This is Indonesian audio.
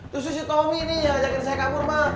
tuh si tommy nih yang ajakin saya kabur pak